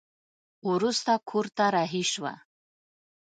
وروسته کور ته رهي شوه.